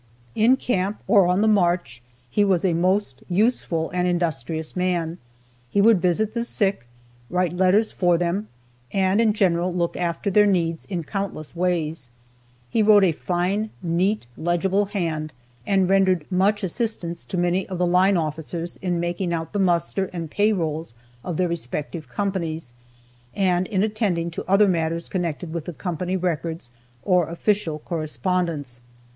In camp or on the march, he was a most useful and industrious man. He would visit the sick, write letters for them, and in general look after their needs in countless ways. He wrote a fine, neat, legible hand, and rendered much assistance to many of the line officers in making out the muster and pay rolls of their respective companies, and in attending to other matters connected with the company records, or official correspondence.